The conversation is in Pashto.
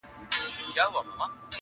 • خو د درد اصل حل نه مومي او پاتې,